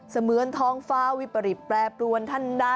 เหมือนท้องฟ้าวิปริตแปรปรวนทันใด